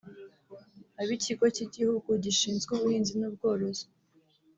ab’ikigo cy’igihugu gishinzwe ubuhinzi n’ubworozi